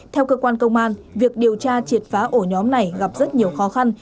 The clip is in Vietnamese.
theo cơ quan công an việc điều tra triệt phá ổ nhóm này gặp rất nhiều khó khăn